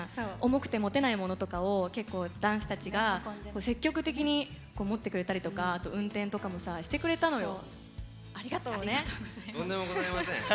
重くて持てないものとかを結構、男子たちが積極的に持ってくれたりとかあと、運転とかもしてくれたのよ。